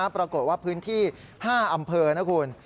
ปรากฏว่าพื้นที่๕อำเภอนะคุณ